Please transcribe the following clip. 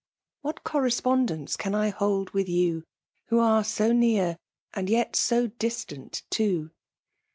What oQneipondflnee can I htAA with jion» Who are so near^ and yet lo distant too